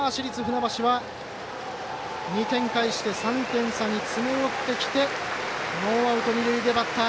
市立船橋は２点返して３点差に詰め寄ってきてノーアウト二塁でバッター